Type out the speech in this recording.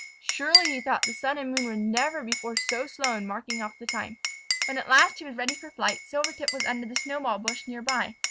"Surely," he thought, "the sun and moon were never before so slow in marking off the time." When at last he was ready for flight, Silvertip was under the snowball bush near by.